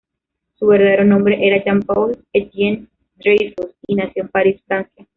Su verdadero nombre era Jean-Paul Étienne Dreyfus, y nació en París, Francia.